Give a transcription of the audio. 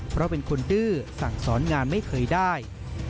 เพราะเป็นคนดื้อสั่งสอนงานไม่เคยได้